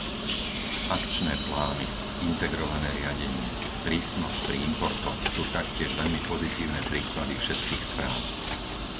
Akčné plány, integrované riadenie, prísnosť pri importoch sú taktiež veľmi pozitívne príklady všetkých správ.